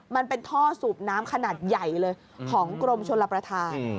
มันเป็นท่อสูบน้ำขนาดใหญ่เลยของกรมชลประธาน